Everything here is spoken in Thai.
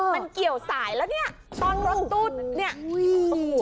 มันเกี่ยวสายแล้วนี่ตอนรถตู้